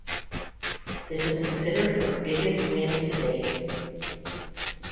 This is considered her biggest win to date.